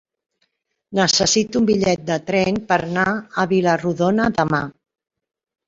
Necessito un bitllet de tren per anar a Vila-rodona demà.